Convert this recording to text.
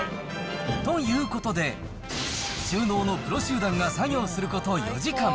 ということで、収納のプロ集団が作業すること４時間。